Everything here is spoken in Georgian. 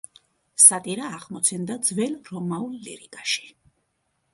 სატირა აღმოცენდა ძველ რომაულ ლირიკაში.